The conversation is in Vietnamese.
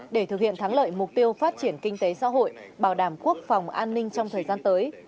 để thực hiện thắng lợi mục tiêu phát triển kinh tế xã hội bảo đảm quốc phòng an ninh trong thời gian tới